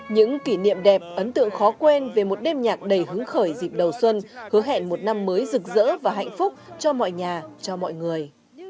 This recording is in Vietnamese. những kỷ niệm đẹp ấn tượng khó quên về một đêm nhạc đầy hứng khởi dịp đầu xuân hứa hẹn một năm mới rực rỡ và hạnh phúc cho mọi nhà cho mọi người